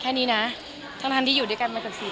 แค่นี้นะทั้งท่านที่อยู่ด้วยกันมากว่า๔ปี